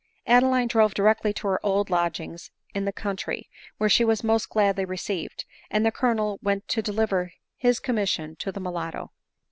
Adeline drove directly to her old lodgings in the country, where she was most gladly received; and the Colonel went to deliver his commission to the mulatto.